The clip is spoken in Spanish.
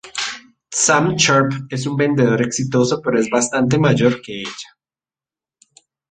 Sam Sharpe es un vendedor exitoso pero es bastante mayor que ella.